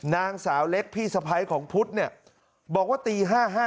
นางสาวเล็กพี่สไพรของพุธบอกว่าตี๕๕๐